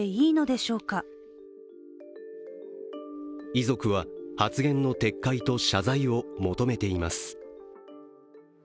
遺族は発言の撤回と謝罪を求めています。